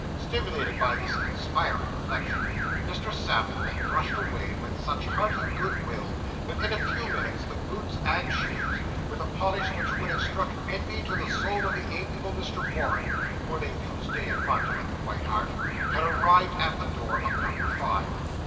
Stimulated by this inspiring reflection, Mr. Samuel brushed away with such hearty good will, that in a few minutes the boots and shoes, with a polish which would have struck envy to the soul of the amiable Mr. Warren (for they used Day & Martin at the White Hart), had arrived at the door of number five.